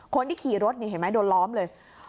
คนที่ขี่รถนี่เห็นไหมโดนล้อมเลย